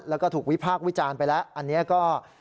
แล้วก็ถูกวิพากษ์วิจารณ์ไปแล้วอันนี้ก็